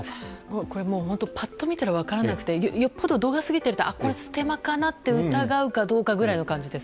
これ、パッと見たら分からなくてよほど度が過ぎているとこれはステマかなと疑うかどうかぐらいの感じです。